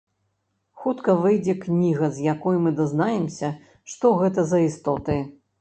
Хутка выйдзе кніга, з якой мы дазнаемся, што гэта за істоты.